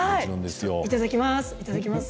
いただきます。